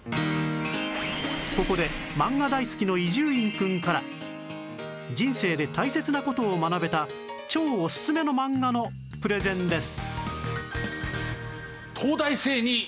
ここで漫画大好きの伊集院くんから人生で大切な事を学べた超オススメの漫画のプレゼンです